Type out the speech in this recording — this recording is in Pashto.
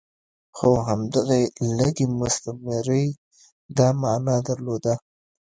خو همدغې لږې مستمرۍ دا معنی درلوده.